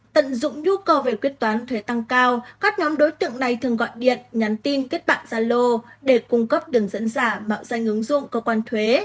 tận dụng nhu cầu về quyết toán thuế tăng cao các nhóm đối tượng này thường gọi điện nhắn tin kết bạn gia lô để cung cấp đường dẫn giả mạo danh ứng dụng cơ quan thuế